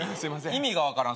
意味が分からん。